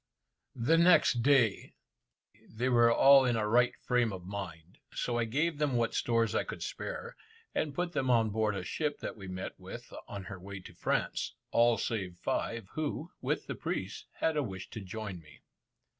The next day, they were all in a right frame of mind, so I gave them what stores I could spare, and put them on board a ship that we met with on her way to France, all save five who, with the priest, had a wish to join me.